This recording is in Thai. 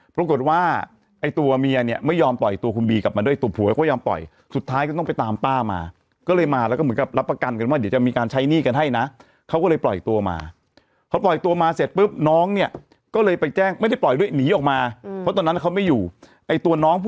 ปรากฏว่าไอ้ตัวเมียเนี่ยไม่ยอมปล่อยตัวคุณบีกลับมาด้วยตัวผัวก็ยอมปล่อยสุดท้ายก็ต้องไปตามป้ามาก็เลยมาแล้วก็เหมือนกับรับประกันกันว่าเดี๋ยวจะมีการใช้หนี้กันให้นะเขาก็เลยปล่อยตัวมาพอปล่อยตัวมาเสร็จปุ๊บน้องเนี่ยก็เลยไปแจ้งไม่ได้ปล่อยด้วยหนีออกมาเพราะตอนนั้นเขาไม่อยู่ไอ้ตัวน้องผู้